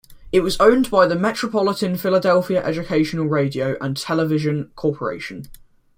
It was owned by the Metropolitan Philadelphia Educational Radio and Television Corporation.